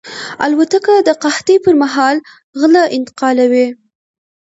الوتکه د قحطۍ پر مهال غله انتقالوي.